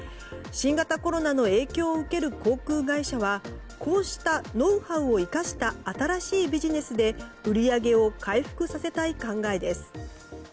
新型コロナの影響を受ける航空会社はこうしたノウハウを生かした新しいビジネスで売り上げを回復させたい考えです。